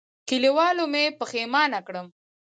کلیوالو مې پښېمانه کړم.